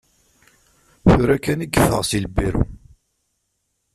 Tura kan i yeffeɣ si lbiru.